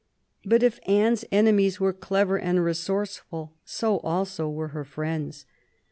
But if Anne's enemies were clever and resource ful, so also were her friends.